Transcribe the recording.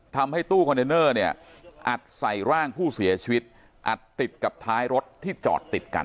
ทำให้ตู้คอนเทนเนอร์เนี่ยอัดใส่ร่างผู้เสียชีวิตอัดติดกับท้ายรถที่จอดติดกัน